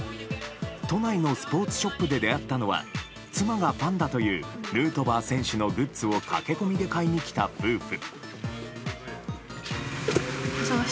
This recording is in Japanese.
都内のスポーツショップで出会ったのは妻がファンだというヌートバー選手のグッズを駆け込みで買いに来た夫婦。